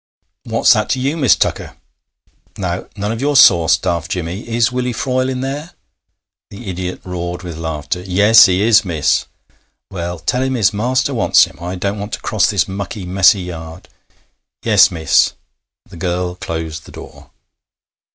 'What's that to you, Miss Tucker?' 'Now, none of your sauce, Daft Jimmy! Is Willie Froyle in there?' The idiot roared with laughter. 'Yes, he is, miss.' 'Well, tell him his master wants him. I don't want to cross this mucky, messy yard.' 'Yes, miss.' The girl closed the door.